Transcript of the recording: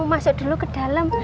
masuk dulu ke dalam